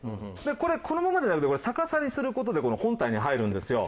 これこのままじゃなくて逆さにする事でこの本体に入るんですよ。